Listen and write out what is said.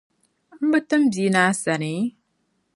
N bi tim bia na asani?